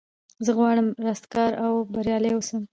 زه غواړم رستګار او بریالی اوسم.